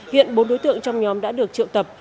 hiện bốn đối tượng trong nhóm đã được triệu tập